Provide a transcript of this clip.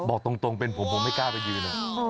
บอกตรงเป็นผมผมไม่กล้าไปยืน